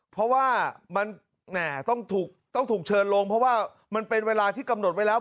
เพราะว่ามันต้องถูกเชิญลงเพราะว่ามันเป็นเวลาที่กำหนดไว้แล้ว